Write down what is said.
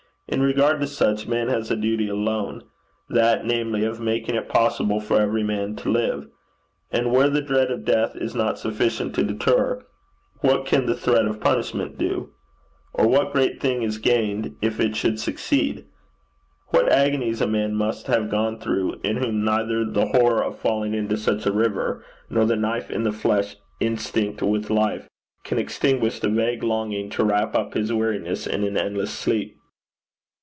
In regard to such, man has a duty alone that, namely, of making it possible for every man to live. And where the dread of death is not sufficient to deter, what can the threat of punishment do? Or what great thing is gained if it should succeed? What agonies a man must have gone through in whom neither the horror of falling into such a river, nor of the knife in the flesh instinct with life, can extinguish the vague longing to wrap up his weariness in an endless sleep!'